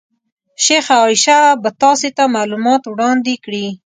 شیخه عایشه به تاسې ته معلومات وړاندې کړي.